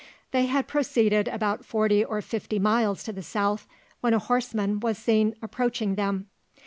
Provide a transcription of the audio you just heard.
They had proceeded about forty or fifty miles to the south, when a horseman was seen approaching them.